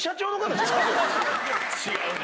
違うね。